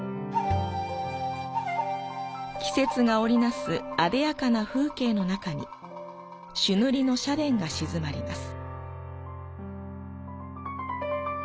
季節が織りなすあでやかな風景の中に朱塗りの社殿が鎮まります。